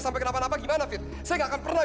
sampai jumpa di video selanjutnya